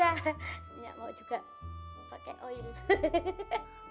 minyak mau juga pakai oil